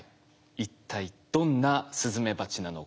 一体どんなスズメバチなのか？